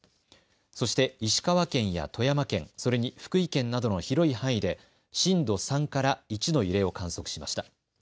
そして石川県や富山県、それに福井県などの広い範囲で震度３から１の揺れを観測しました。